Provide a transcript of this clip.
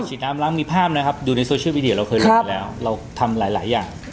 ไปฉีดน้ำล้างมีภาพนะครับดูในโซเชียลวิดีโอเราเคยเรียนมาแล้วเราทำหลายอย่าง